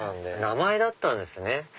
名前だったんですね。